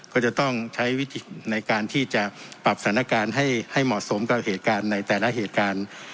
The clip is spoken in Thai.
ก็จะต้องใช้วิธีในการที่จะปรับสถานการณ์ให้เหมาะสมกับเหตุการณ์ในแต่ละเหตุการณ์